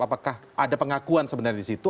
apakah ada pengakuan sebenarnya disitu